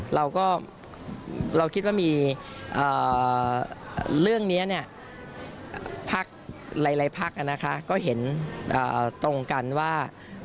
เราก็คิดว่าเรื่องนี้หลายภาคก็เห็นตรงกันว่า